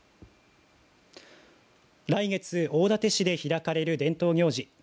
来月、大館市で開かれる伝統行事